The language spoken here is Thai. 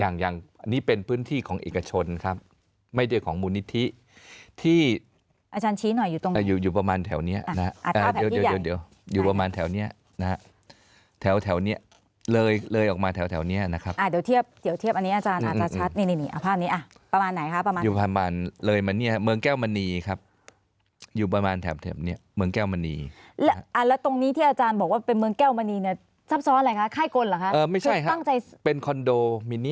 นี่เป็นพื้นที่ของเอกชนครับไม่ได้ของมูลนิธิที่อาจารย์ชี้หน่อยอยู่ตรงนี้อยู่อยู่ประมาณแถวเนี้ยนะครับอ่าเดี๋ยวเดี๋ยวเดี๋ยวอยู่ประมาณแถวเนี้ยนะฮะแถวแถวเนี้ยเลยเลยออกมาแถวแถวเนี้ยนะครับอ่าเดี๋ยวเทียบเดี๋ยวเทียบอันนี้อาจารย์น่าจะชัดนี่นี่นี่นี่อ่าภาพนี้อ่ะประมาณไหนครับประมาณอยู่ประมาณ